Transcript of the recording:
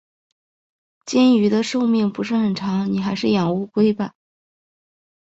金鱼的寿命不是很长，你还是养乌龟吧。